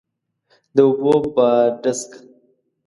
د اوبو باډسکه،